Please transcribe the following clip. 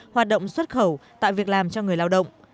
hoạt động xuất khẩu tại việc làm cho người lao động